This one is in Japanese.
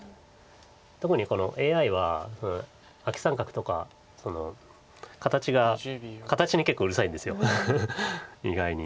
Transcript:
特にＡＩはアキ三角とか形に結構うるさいんです意外に。